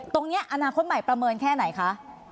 ตรงนี้อนาคตใหม่ประเมินแค่ไหนคะ